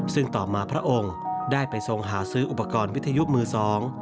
ซึ่งต่อมาพระองค์ได้ไปทรงหาซื้ออุปกรณ์วิทยุมือสอง